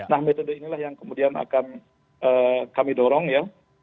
nah metode inilah yang kemudian akan kami dorong ya